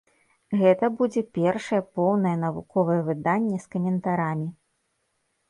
Гэта будзе першае поўнае навуковае выданне з каментарамі.